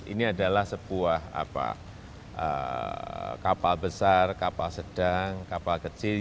ini adalah sebuah kapal besar kapal sedang kapal kecil